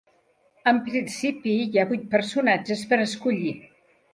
En principi, hi ha vuit personatges per escollir.